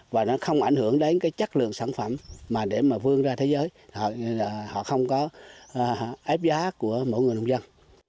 và nó không ảnh hưởng đến chất lượng sản phẩm để vươn ra thế giới họ không có ép giá của mỗi người nông dân